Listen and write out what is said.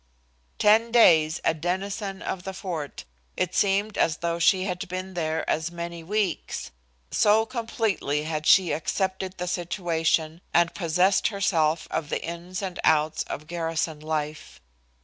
Ten days a denizen of the fort, it seemed as though she had been there as many weeks, so completely had she accepted the situation and possessed herself of the ins and outs of garrison life.